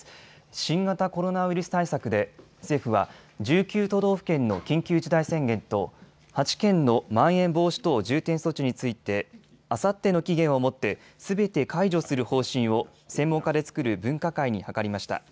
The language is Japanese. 新型コロナウイルス対策で政府は１９都道府県の緊急事態宣言と８県のまん延防止等重点措置について、あさっての期限をもってすべて解除する方針を専門家で作る分科会に諮りました。